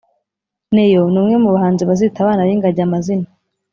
Neyo numwe mu bahanzi bazita abana bingagi amazina